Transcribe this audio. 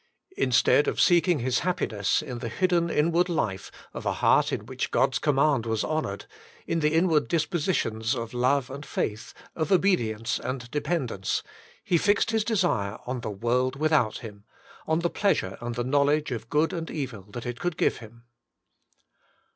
Instead of seeking his happiness in the hidden inward life of a heart in which God^s com mand was honoured, in the inward dispositions of love and faith, of obedience and dependence, he fixed his desire on the world without him, on the 117 Il8 The Inner Chamber pleasure and the knowledge of good and evil that it could give him.